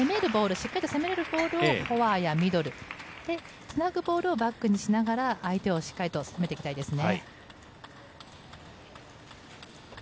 しっかりと攻められるボールをフォアやミドルつなぐボールをバックにしながら相手をしっかりと攻めていきたいですね。